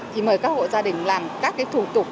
thì mời các hộ gia đình làm các cái thủ tục